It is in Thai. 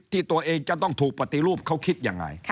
ที่ตัวเองจะต้องถูกปฏิรูปเขาคิดยังไง